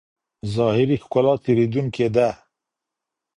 ظاهري ښکلا تېرېدونکې ده.